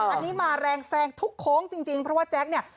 อันนี้มาแรงแซงทุกโค้งจริงเพราะว่าแจ๊คเนี่ย